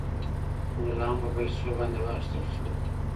غلام په پیسو باندې واخیستل شو.